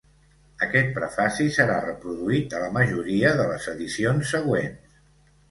Aquest prefaci serà reproduït a la majoria de les edicions següents.